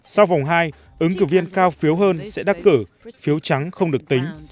sau vòng hai ứng cử viên cao phiếu hơn sẽ đắc cử phiếu trắng không được tính